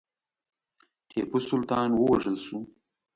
ټیپو سلطان ووژل شو.